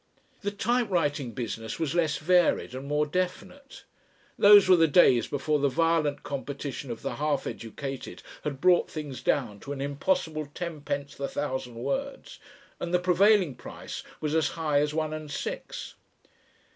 The typewriting business was less varied and more definite. Those were the days before the violent competition of the half educated had brought things down to an impossible tenpence the thousand words, and the prevailing price was as high as one and six.